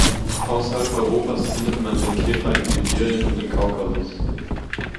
Außerhalb Europas findet man den Käfer in Sibirien und im Kaukasus.